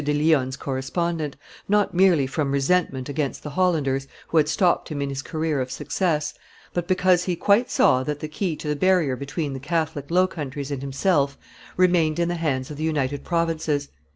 de Lionne's correspondent, not merely from resentment against the Hollanders, who had stopped him in his career of success, but because he quite saw that the key to the barrier between the Catholic Low Countries and himself remained in the hands of the United Provinces.